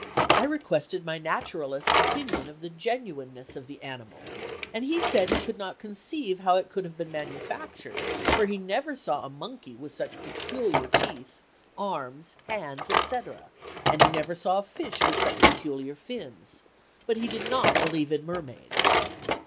I requested my naturalist's opinion of the genuineness of the animal and he said he could not conceive how it could have been manufactured, for he never saw a monkey with such peculiar teeth, arms, hands, etc., and he never saw a fish with such peculiar fins; but he did not believe in mermaids.